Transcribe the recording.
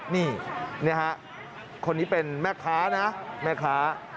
นี่นี่ฮะคนนี้เป็นแม่ค้านะแม่ค้า